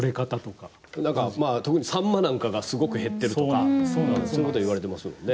特にサンマなんかがすごく減ってるとかそういうことをいわれていますよね。